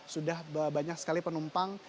sudah banyak sekali penumpang